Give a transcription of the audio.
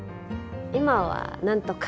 今はなんとか。